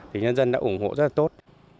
thì nhân dân đã ủng hộ rất là tốt